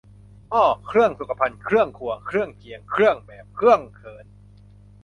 อ้อ เครื่องสุขภัณฑ์ เครื่องครัว เครื่องเคียง เครื่องแบบ เครื่องเขิน